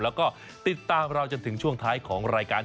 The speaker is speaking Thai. แล้วก็ติดตามเราจนถึงช่วงท้ายของรายการ